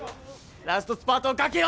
ラストスパートかけよう！